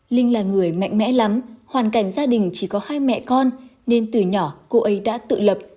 linh là người mạnh mẽ lắm hoàn cảnh gia đình chỉ có hai mẹ con nên từ nhỏ cô ấy đã tự lập